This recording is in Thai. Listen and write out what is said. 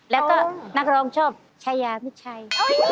แล้วก็นักร้องชอบชายามิดชัย